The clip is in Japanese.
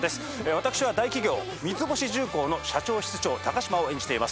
私は大企業三ツ星重工の社長室長高島を演じています。